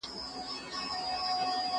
ته ولي قلم کاروې